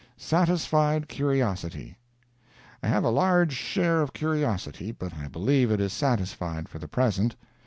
SATISFIED CURIOSITY I have a large share of curiosity, but I believe it is satisfied for the present.